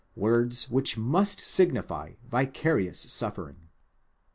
words which must signify vicarious suffering.